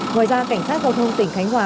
ngoài ra cảnh sát giao thông tỉnh khánh hòa